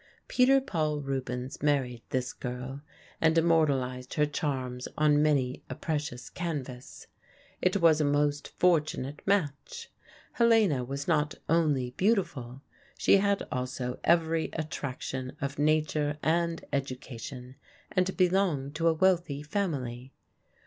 Peter Paul Rubens married this girl, and immortalized her charms on many a precious canvas. It was a most fortunate match. Helena was not only beautiful; she had also every attraction of nature and education, and belonged to a wealthy family.